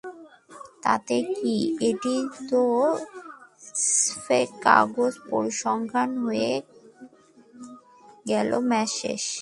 তাতে কী, এটি তো স্রেফ কাগুজে পরিসংখ্যান হয়ে গেল ম্যাচ শেষে।